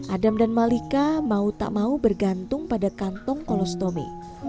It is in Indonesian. adam dan malika mau tak mau bergantung pada kantong kolostomi